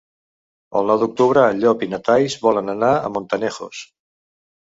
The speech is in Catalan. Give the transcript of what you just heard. El nou d'octubre en Llop i na Thaís volen anar a Montanejos.